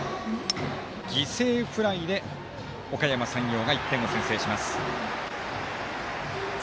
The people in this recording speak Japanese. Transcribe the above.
犠牲フライでおかやま山陽が１点を先制します。